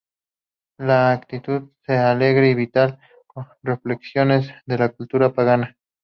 La actitud es alegre y vital, con reflexiones de la cultura pagana.